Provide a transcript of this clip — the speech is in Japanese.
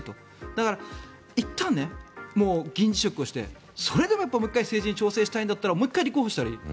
だから、いったん議員辞職をしてそれでももう１回政治に挑戦したいんだったらもう１回、立候補したらいい。